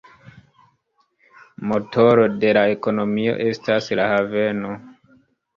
Motoro de la ekonomio estas la haveno.